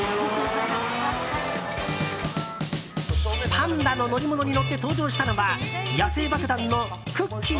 パンダの乗り物に乗って登場したのは野性爆弾のくっきー！